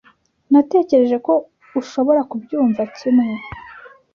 Natekereje ko ushobora kubyumva kimwe.